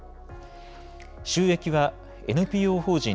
収益はＮＰＯ法人